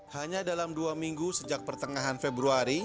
hanya dalam dua minggu sejak pertengahan februari